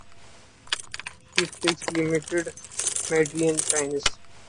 She speaks limited Mandarin Chinese.